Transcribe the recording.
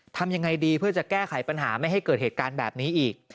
ทำยังไงดีเพื่อจะแก้ไขปัญหาไม่ให้เกิดเหตุการณ์แบบนี้อีก